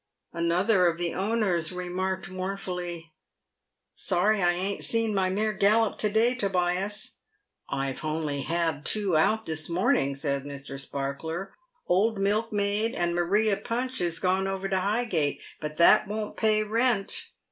Another of the owners remarked, mournfully, " Sorry I ain't seen my mare gallop to day, Tobias." " I've only had two out this morning," said Mr. Sparkler. " Old PAVED WITH GOLD. 143 Milkmaid and Maria Punch is gone over to Highgate, but that won't pay rent."